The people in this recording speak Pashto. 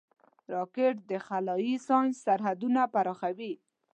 راکټ د خلایي ساینس سرحدونه پراخوي